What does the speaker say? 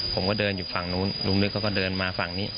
ผมก็เดินอยู่ฝั่งนู้นลุงนึกเขาก็เดินมาฝั่งนี้